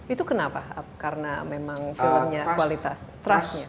itu kenapa karena memang filmnya kualitas trustnya